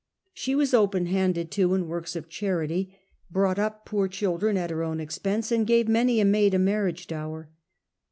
She was open handed too in works of charity, brought up poor children at her own expense, and gave many a maid a marriage dower.